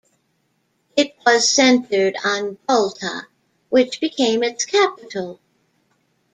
It was centered on Balta, which became its capital.